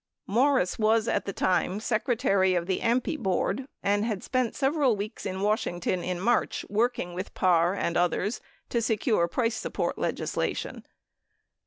Morris was, at the time, secretary of the AMPI board and had spent several weeks in Washington in March working with Parr and others to secure price support legislation.